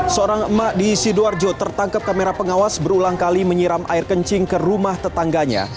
seorang emak di sidoarjo tertangkap kamera pengawas berulang kali menyiram air kencing ke rumah tetangganya